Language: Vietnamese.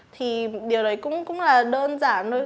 thì điều đấy cũng là đơn giản thôi